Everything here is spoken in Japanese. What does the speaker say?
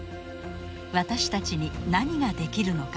私たちに何ができるのか。